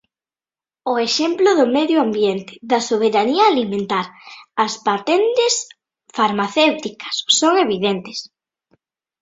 O exemplo do medio ambiente, da soberanía alimentar, as patentes farmacéuticas, son evidentes.